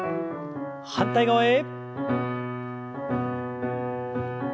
反対側へ。